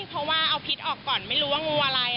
เพราะว่าเอาพิษออกก่อนไม่รู้ว่างูอะไร